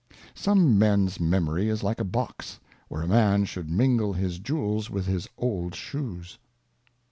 Some Mens Memory is like a Box, where a Man should mingle his Jewels with his old Shoes.